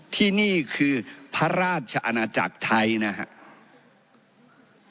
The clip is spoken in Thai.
ที่นี่คือพระราชอาณาจักรไทยนะครับ